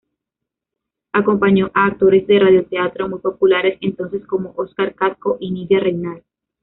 Acompañó a actores de radioteatro muy populares entonces como Oscar Casco y Nydia Reynal.